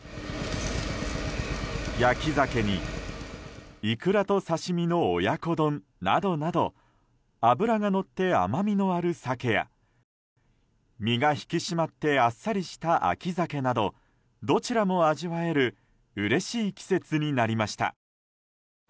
焼きザケにイクラと刺し身の親子丼などなど脂がのって甘みのあるサケや身が引き締まってあっさりした秋ザケなどどちらも味わえるうれしい季節になりました。